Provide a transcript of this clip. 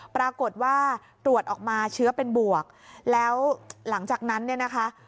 ปรากฏว่าตรวจออกมาเชื้อเป็นบวกแล้วหลังจากนั้นเนี่ยนะคะ